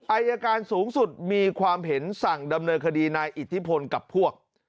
อายการสูงสุดมีความเห็นสั่งดำเนินคดีนายอิทธิพลกับพวก